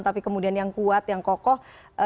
tapi kemudian yang kuat yang kokoh